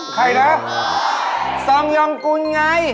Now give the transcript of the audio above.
ใครนะซองยองกุลไง